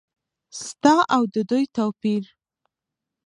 ستا او د دوی توپیر ؟